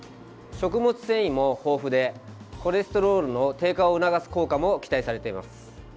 食物繊維も豊富でコレステロールの低下を促す効果も期待されています。